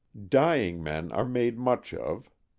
Dying men are made much of.